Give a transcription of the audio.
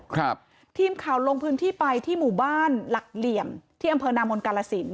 ครับทีมข่าวลงพื้นที่ไปที่หมู่บ้านหลักเหลี่ยมที่อำเภอนามนกาลสิน